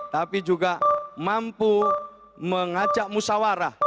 tapi juga mampu mengajak musawarah